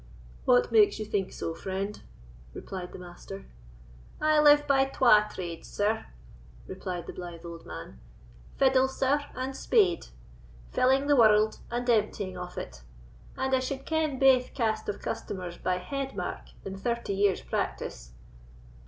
"What makes you think so, friend?" replied the Master. "I live by twa trades, sir," replied the blythe old man—"fiddle, sir, and spade; filling the world, and emptying of it; and I suld ken baith cast of customers by head mark in thirty years' practice."